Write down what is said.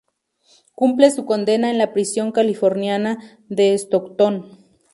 Cumple su condena en la prisión californiana de Stockton.